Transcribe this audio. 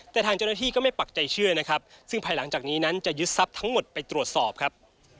แต่ทางเจ้าหน้าที่ก็ไม่ปักใจเชื่อนะครับซึ่งภายหลังจากนี้นั้นจะยึดทรัพย์ทั้งหมดไปตรวจสอบครับ